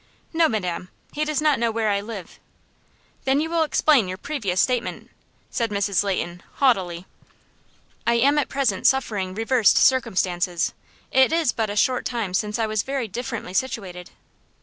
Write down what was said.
"No, madam. He does not know where I live." "Then you will explain your previous statement?" said Mrs. Leighton, haughtily. "I am at present suffering reversed circumstances. It is but a short time since I was very differently situated."